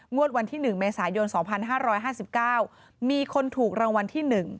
วันที่๑เมษายน๒๕๕๙มีคนถูกรางวัลที่๑